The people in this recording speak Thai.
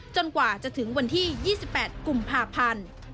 กว่าจะถึงวันที่๒๘กุมภาพันธ์